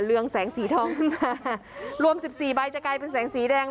เรืองแสงสีทองขึ้นมารวมสิบสี่ใบจะกลายเป็นแสงสีแดง